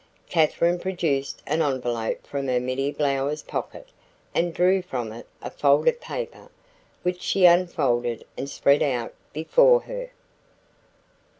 Katherine produced an envelope from her middy blouse pocket and drew from it a folded paper, which she unfolded and spread out before her.